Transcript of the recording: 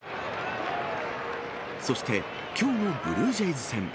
そしてきょうのブルージェイズ戦。